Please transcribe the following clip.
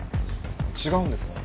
違うんですか？